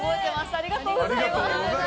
ありがとうございます。